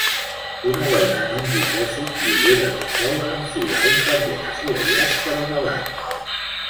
Una dona en un dipòsit i ulleres de sol enfila un pendent assolellat però nevat.